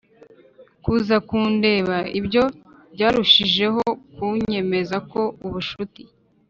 kuza kundeba Ibyo byarushijeho kunyemeza ko ubucuti